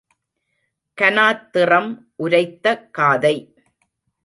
கனாத்திறம் உரைத்த காதை.